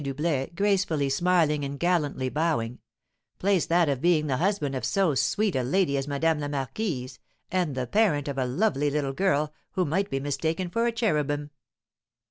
Doublet, gracefully smiling, and gallantly bowing, "place that of being the husband of so sweet a lady as Madame la Marquise, and the parent of a lovely little girl, who might be mistaken for a cherubim."